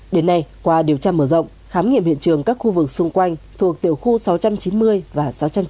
đến nay qua điều tra mở rộng khám nghiệm hiện trường các khu vực xung quanh thuộc tiểu khu sáu trăm chín mươi và sáu trăm chín mươi